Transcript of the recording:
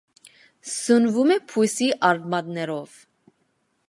Սնվում է բույսի արմատներով։